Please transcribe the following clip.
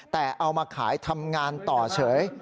แต่เอามาขายทำงานต่อเฉย